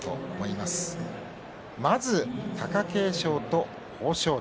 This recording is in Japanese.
まず貴景勝と豊昇龍。